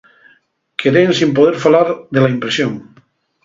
Quedé ensin poder falar de la impresión.